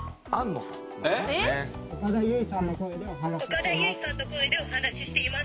岡田結実さんの声でお話ししています。